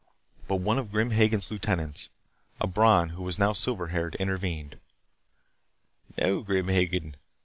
But one of Grim Hagen's lieutenants, a Bron who was now silver haired, intervened. "No, Grim Hagen.